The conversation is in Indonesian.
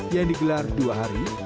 yang digelar dua hari